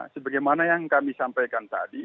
sebagaimana yang kami sampaikan tadi